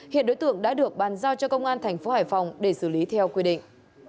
hiện đối tượng đã được bàn giao cho công an thành phố hải phòng để xử lý theo quy định